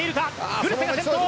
グルセが先頭。